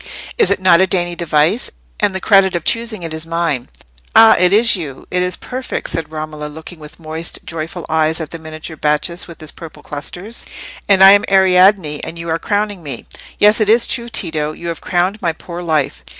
Is it not a dainty device? and the credit of choosing it is mine." "Ah! it is you—it is perfect!" said Romola, looking with moist joyful eyes at the miniature Bacchus, with his purple clusters. "And I am Ariadne, and you are crowning me! Yes, it is true, Tito; you have crowned my poor life."